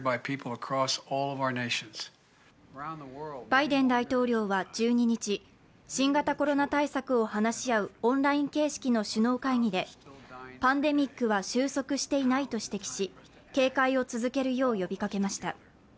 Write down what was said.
バイデン大統領は１２日、新型コロナ対策を話し合うオンライン形式の首脳会議でパンデミックは収束していないと指摘し、警戒を続けるよう呼びかけました。